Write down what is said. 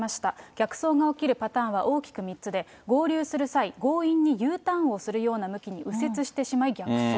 逆走が起きるパターンは大きく３つで、合流する際、強引にＵターンをするような向きに右折してしまい逆走。